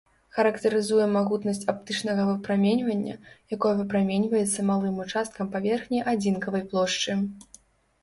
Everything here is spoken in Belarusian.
Характарызуе магутнасць аптычнага выпраменьвання, якое выпраменьваецца малым участкам паверхні адзінкавай плошчы.